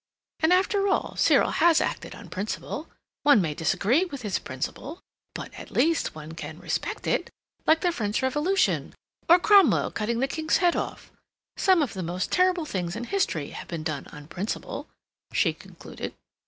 And, after all, Cyril has acted on principle. One may disagree with his principle, but, at least, one can respect it—like the French Revolution, or Cromwell cutting the King's head off. Some of the most terrible things in history have been done on principle," she concluded.